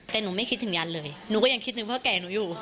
แต่หนูไม่คิดถึงยันเลยหนูก็ยังคิดถึงพ่อแก่หนูอยู่